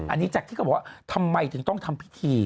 อันนี้จากที่เขาบอกว่าทำไมถึงต้องทำพิธี